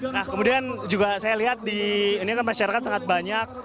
nah kemudian juga saya lihat di masyarakat sangat banyak